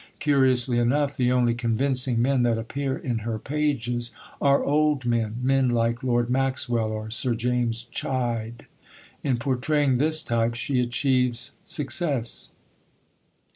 Curiously enough, the only convincing men that appear in her pages are old men men like Lord Maxwell or Sir James Chide. In portraying this type she achieves success.